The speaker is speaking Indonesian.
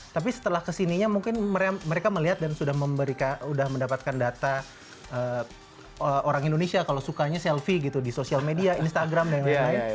tapi setelah kesininya mungkin mereka melihat dan sudah memberikan sudah mendapatkan data orang indonesia kalau sukanya selfie gitu di sosial media instagram dan lain lain